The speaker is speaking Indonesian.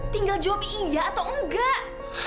tinggal jomi iya atau enggak